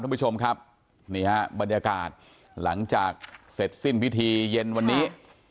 ท่านผู้ชมครับนี่ฮะบรรยากาศหลังจากเสร็จสิ้นพิธีเย็นวันนี้